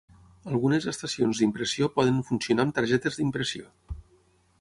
Algunes estacions d'impressió poden funcionar amb targetes d'impressió.